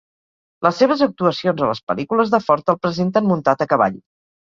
Les seves actuacions a les pel·lícules de Ford el presenten muntat a cavall.